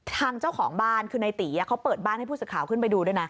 ทางเจ้าของบ้านคือในตีเขาเปิดบ้านให้ผู้สื่อข่าวขึ้นไปดูด้วยนะ